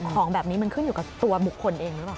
ของแบบนี้มันขึ้นอยู่กับตัวบุคคลเองหรือเปล่า